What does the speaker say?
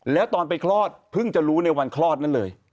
แล้วตอนไปคลอดเพิ่งจะรู้ในวันคลอดนั่นเลย